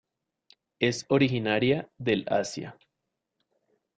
Es originaria del Asia.